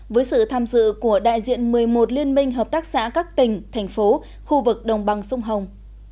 với sự tham dự của đại diện một mươi một liên minh hợp tác xã các tỉnh thành phố khu vực đồng bằng sông hồng